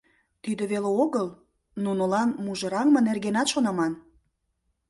Тиде веле огыл, нунылан мужыраҥме нергенат шоныман.